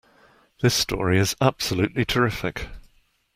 This story is absolutely terrific!